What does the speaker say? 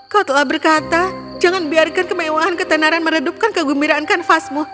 kau telah berkata jangan biarkan kemewahan ketenaran meredupkan kegembiraan kanvasmu